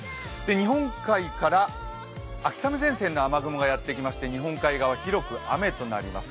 日本海から秋雨前線の雨雲がやってきまして日本海側、広く雨となります。